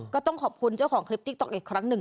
ก็ต้องขอบคุณเจ้าของคลิปติ๊กต๊อกอีกครั้งหนึ่ง